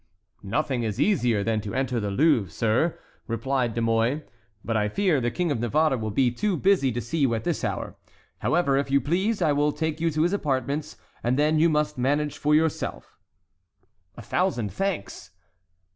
"Nothing is easier than to enter the Louvre, sir," replied De Mouy; "but I fear the King of Navarre will be too busy to see you at this hour. However, if you please, I will take you to his apartments, and then you must manage for yourself." "A thousand thanks!"